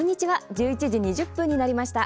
１１時２０分になりました。